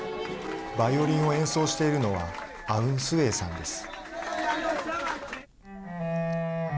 バイオリンを演奏しているのはアウン・スウェイさんです。